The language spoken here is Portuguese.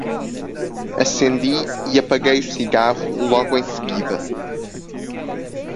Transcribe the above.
acendi e apaguei o cigarro, logo em seguida